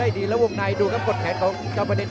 ได้ดีแล้ววงในดูครับกดแขนของเจ้าประเทศ